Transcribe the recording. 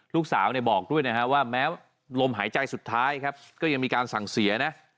ลูกสาวบอกด้วยนะฮะว่าแม้ลมหายใจสุดท้ายครับก็ยังมีการสั่งเสียนะ